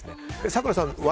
咲楽さん